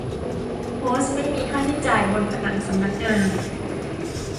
โพสต์ไม่มีค่าใช้จ่ายบนผนังสำนักงาน